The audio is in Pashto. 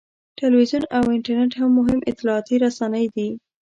تلویزیون او انټرنېټ مهم اطلاعاتي رسنۍ دي.